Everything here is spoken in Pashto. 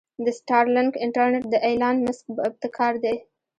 د سټارلنک انټرنټ د ايلان مسک ابتکار دې.